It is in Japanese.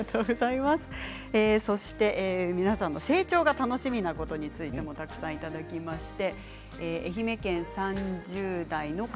成長が楽しみなことについてもたくさんいただきました。